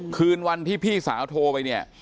คืนวันที่พี่สาวโทรไปเนี่ย